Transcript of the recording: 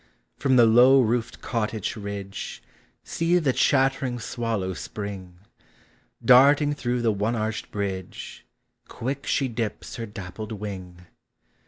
From the low roofed cottage ridge. See the chattering swallow spring; Darting through the one arched bridge, Quick she dips her dappled wing.